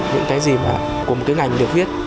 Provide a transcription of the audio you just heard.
những cái gì mà của một cái ngành được viết